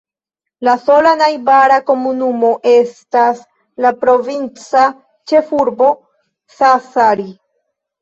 La sola najbara komunumo estas la provinca ĉefurbo Sassari.